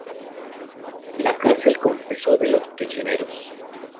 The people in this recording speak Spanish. En la cárcel confesó de los prisioneros.